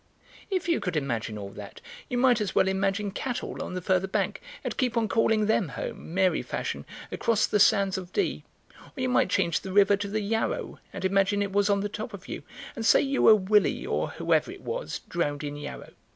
"If you could imagine all that you might as well imagine cattle on the further bank and keep on calling them home, Mary fashion, across the sands of Dee. Or you might change the river to the Yarrow and imagine it was on the top of you, and say you were Willie, or whoever it was, drowned in Yarrow."